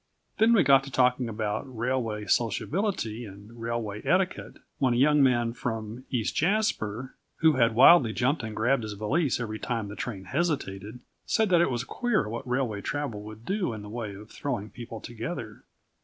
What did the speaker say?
Then we got to talking about railway sociability and railway etiquette, when a young man from East Jasper, who had wildly jumped and grabbed his valise every time the train hesitated, said that it was queer what railway travel would do in the way of throwing people together.